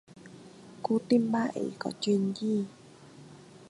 Cô tìm bà ấy có chuyện gì